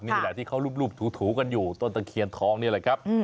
นี่แหละที่เขารูปถูกันอยู่ต้นตะเคียนทองนี่แหละครับ